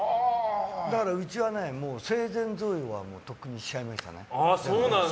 うちは生前贈与はとっくにしちゃいましたね。